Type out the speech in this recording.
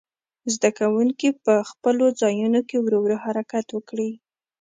زده کوونکي په خپلو ځایونو کې ورو ورو حرکت وکړي.